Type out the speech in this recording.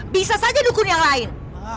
bisa saja dukun yang lain